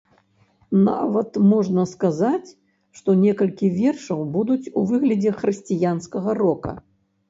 Нават можна сказаць, што некалькі вершаў будуць у выглядзе хрысціянскага рока.